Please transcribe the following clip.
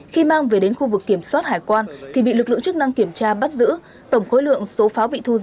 khi mang về đến khu vực kiểm soát hải quan thì bị lực lượng chức năng kiểm tra bắt giữ tổng khối lượng số pháo bị thu giữ là hai mươi một năm kg